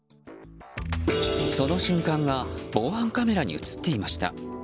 その瞬間が防犯カメラに映っていました。